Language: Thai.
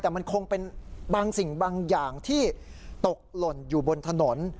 แต่มันคงเป็นบางสิ่งบางอย่างที่ตกหล่นอยู่บนถนน